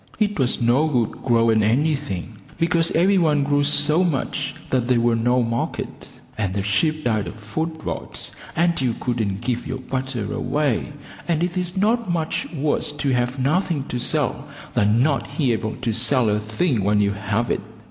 It was no good growing anything, because every one grew so much that there was no market, and the sheep died of foot rot and you couldn't give your butter away, and it is not much worse to have nothing to sell than not be able to sell a thing when you have it.